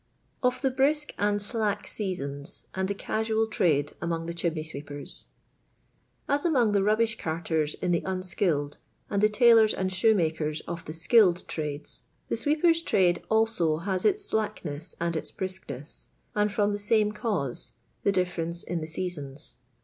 Or Tin; l^iir^iic and Slack .Skasoxs. axu the Casual Traiik amo.mj the Chim.vky SWKKI'EK.'!;. As among the ruSbish carter i in the unskilled, and the tailors aud shoemakers of the skilled trades, the sweepen* trade also baa itf sUcknea and ita briskness, and from the laiiie cause— 4l» difference in the seojoiu.